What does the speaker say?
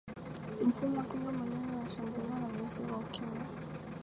mfumo wa kinga mwili unashambuliwa na virusi vya ukimwi